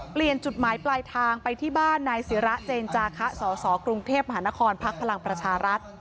เปลี่ยนจุดหมายปลายทางไปที่บ้านนายศิระเจนจาคะสสกรุงเทพมหานครพักพลังประชารัฐ